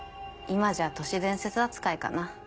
今じゃ都市伝説扱いかな。